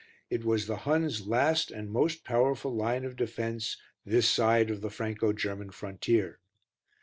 It was the Hun's last and most powerful line of defence this side of the Franco German frontier.